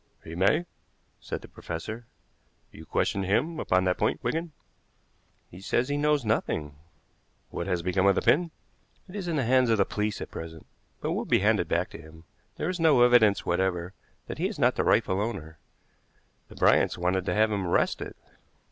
"He may," said the professor. "You questioned him upon that point, Wigan?" "He says he knows nothing." "What has become of the pin?" "It is in the hands of the police at present, but will be handed back to him. There is no evidence whatever that he is not the rightful owner. The Bryants wanted to have him arrested."